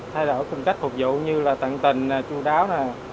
thay đổi cùng cách phục vụ như là tận tình chú đáo